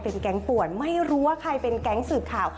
แก๊งป่วนไม่รู้ว่าใครเป็นแก๊งสืบข่าว